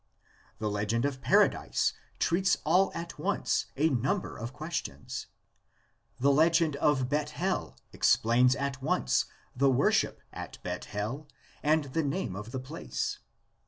— The legend of Paradise treats all at once a number of questions. — The legend of Bethel explains at once the worship at Bethel and the name of the place.